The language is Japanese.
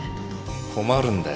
困るんだよ